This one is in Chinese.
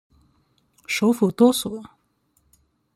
首府多索。